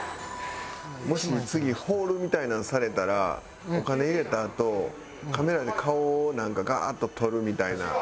もしね次フォールみたいなのされたらお金入れたあとカメラで顔をなんかガーッと撮るみたいな。